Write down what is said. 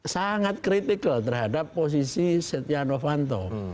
sangat kritikal terhadap posisi setia novanto